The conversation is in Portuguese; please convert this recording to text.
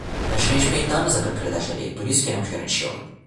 Nós respeitamos a propriedade alheia e por isso queremos garanti-la.